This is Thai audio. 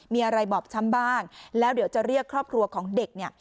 มีอะไรบอบช้ำบ้างแล้วเดี๋ยวจะเรียกครอบครัวของเด็กเนี่ย